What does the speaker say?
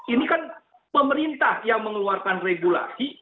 ini kan pemerintah yang mengeluarkan regulasi